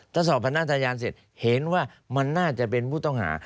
ถ้าสอบพนักทะยานเสร็จเห็นว่ามันน่าจะเป็นผู้ต้องหา